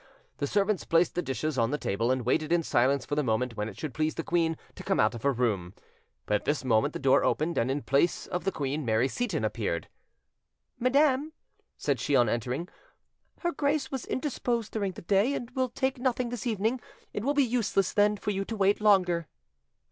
The servants' placed the dishes on the table, and waited in silence for the moment when it should please the queen to come out of her room; but at this moment the door opened, and in place of the queen Mary Seyton appeared. "Madam," said she on entering, "her grace was indisposed during the day, and will take nothing this evening; it will be useless, then, for you to wait longer."